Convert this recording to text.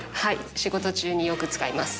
仕事中によく使います。